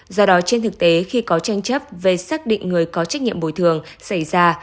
do đó trên thực tế khi có tranh chấp về xác định người có trách nhiệm bồi thường xảy ra